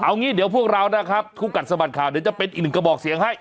เอางี้เดี๋ยวพวกเรานะครับคู่กัดสะบัดข่าวเดี๋ยวจะเป็นอีกหนึ่งกระบอกเสียงให้